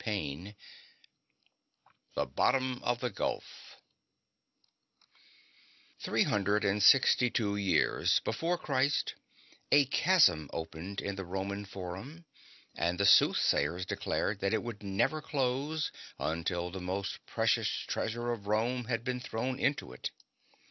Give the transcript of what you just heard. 91 THE BOTTOM OF THE GULF Three hundred and sixty tv/o years before Christ a chasm opened in the Roman Forum^ and the soothsayers declared that it would never close until the most precious treasui e of Rome had been thrown into it.